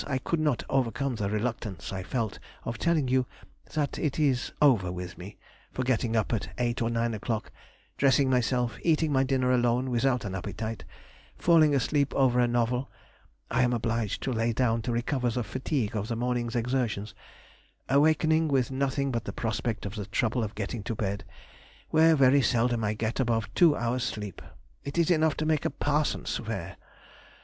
I could not overcome the reluctance I felt of telling you that it is over with me, for getting up at eight or nine o'clock, dressing myself, eating my dinner alone without an appetite, falling asleep over a novel (I am obliged to lay down to recover the fatigue of the morning's exertions) awaking with nothing but the prospect of the trouble of getting to bed, where very seldom I get above two hours' sleep. It is enough to make a parson swear!